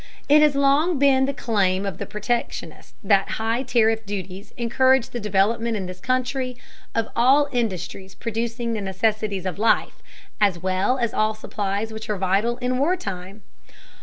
It has long been the claim of the protectionist that high tariff duties encourage the development in this country of all industries producing the necessities of life, as well as all supplies which are vital in war time.